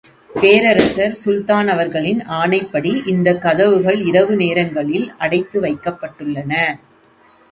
பேரரசர் சுல்தான் அவர்களின் ஆணைப்படி இந்தக் கதவுகள் இரவு நேரங்களில் அடைத்து வைக்கப்பட்டுள்ளன.